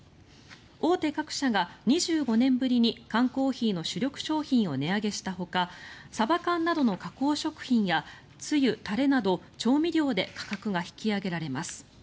大手各社が２５年ぶりに缶コーヒーの主力商品を値上げしたほかサバ缶などの加工食品やつゆ・タレなど調味料で価格が引き上げられます。